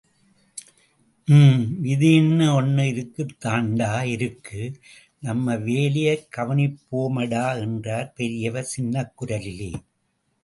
ம்... விதின்னு ஒண்னு இருக்கத்தாண்டா இருக்கு!... நம்ம வேலையைக் கவனிப்போம்டா என்றார், பெரியவர் சின்னக் குரலிலே!